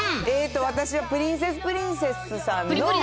私はプリンセスプリンセスさんの。